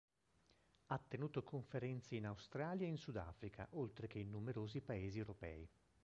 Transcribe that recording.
Ha tenuto conferenze in Australia e in Sudafrica, oltre che in numerosi paesi europei.